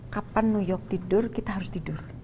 kapan new york tidur kita harus tidur